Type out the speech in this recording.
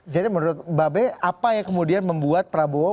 jadi menurut mbak be apa yang kemudian membuat prabowo